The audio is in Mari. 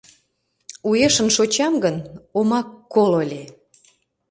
Уэшын шочам гын, омак коло ыле.